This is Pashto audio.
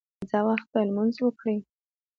پنځه وخته لمونځ وکړئ